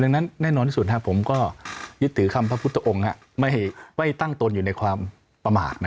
ดังนั้นแน่นอนที่สุดผมก็ยึดถือคำพระพุทธองค์ไม่ตั้งตนอยู่ในความประมาท